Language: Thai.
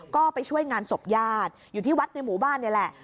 ก็ไปช่วยงานศพญาติอยู่ที่วัดในหมู่บ้านนี่แหละ